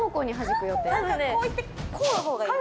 こういってこう！のほうがいい。